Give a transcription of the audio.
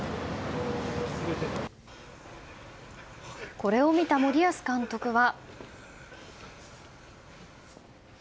これを見た森保監督は。